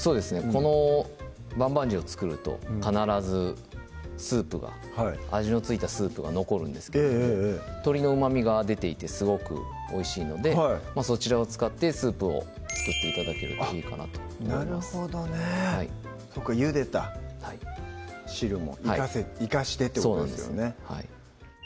この「棒棒鶏」を作ると必ずスープが味の付いたスープが残るんですけれども鶏のうまみが出ていてすごくおいしいのでそちらを使ってスープを作って頂けるといいかなとなるほどねはいゆでた汁も生かしてってことなんですね